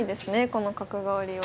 この角換わりは。